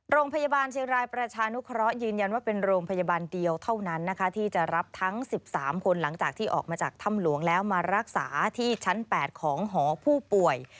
โรงพยาบาลเชียงรายประชานุเคราะห์ยืนยันว่าเป็นโรงพยาบาลเดียวเท่านั้นนะคะที่จะรับทั้ง๑๓คนหลังจากที่ออกมาจากถ้ำหลวงแล้วมารักษาที่ชั้น๘ของหอผู้ป่วย